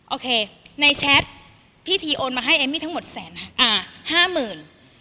โอเคในแชทพี่ทีโอนมาให้เอมมี่ทั้งหมดแสนอ่าห้าหมื่น